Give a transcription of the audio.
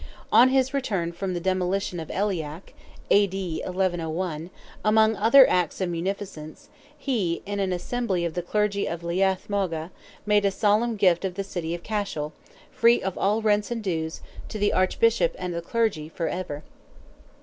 On his return from the demolition of Aileach (A.D. 1101), among other acts of munificence, he, in an assembly of the clergy of Leath Mogha, made a solemn gift of the city of Cashel, free of all rents and dues, to the Archbishop and the Clergy, for ever.